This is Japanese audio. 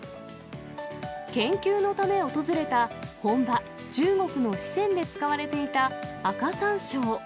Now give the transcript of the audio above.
研究のため訪れた本場、中国の四川で使われていた赤さんしょう。